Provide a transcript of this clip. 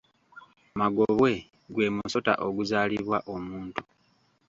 Magobwe gwe musota oguzaalibwa omuntu.